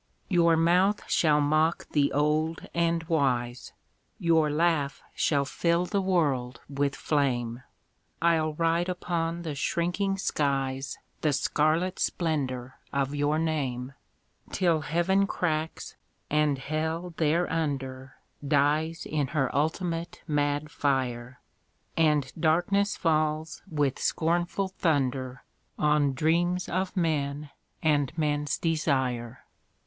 Your mouth shall mock the old and wise, Your laugh shall fill the world with flame, I'll write upon the shrinking skies The scarlet splendour of your name, Till Heaven cracks, and Hell thereunder Dies in her ultimate mad fire, And darkness falls, with scornful thunder, On dreams of men and men's desire.